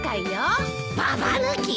ババ抜き？